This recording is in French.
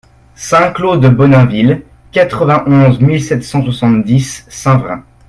cinq clos de Bonainville, quatre-vingt-onze mille sept cent soixante-dix Saint-Vrain